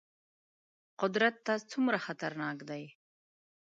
قدرت ته څومره خطرناک دي.